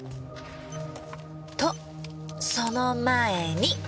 とその前に！